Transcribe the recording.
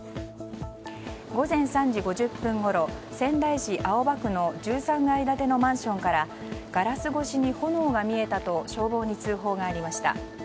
午前３時５０分ごろ仙台市青葉区の１３階建てのマンションからガラス越しに炎が見えたと消防に通報がありました。